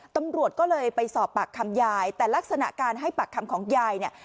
ตำรวจก็เลยไปสอบปากคำยายแต่ลักษณะการให้ปากคำของยายเนี่ย